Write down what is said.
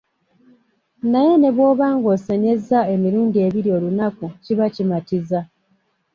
Naye ne bw'oba ng'osenyezza emirundi ebiri olunaku kiba kimatiza.